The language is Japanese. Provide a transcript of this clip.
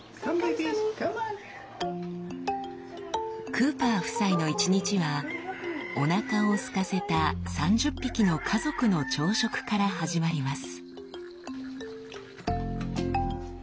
・クーパー夫妻の一日はおなかをすかせた３０匹の家族の朝食から始まります。